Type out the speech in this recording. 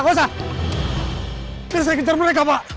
bisa bisa kejar mereka pak